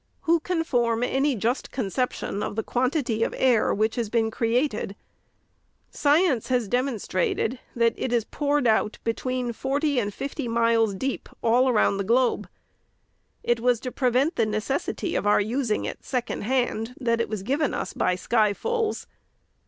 Who can form any just concep tion of the quantity of air which has been created ? Science has demonstrated, that it is poured out between forty and fifty miles deep all round the globe. It was to prevent the necessity of our using it, second hand, that it was given us by sky fuls.